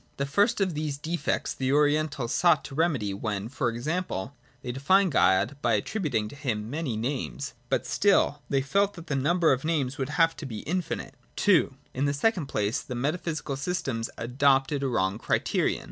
The first of these defects the Orientals sought to remedy, when, for example, they defined God by attri buting to Him many names; but still they felt that the number of names would have had to be infinite. 30, 3i.] PRE KANTIAN METAPHYSIC. 6,(5 30.] (2) In the second place, the metaphysical systems adopted a wrong criterion.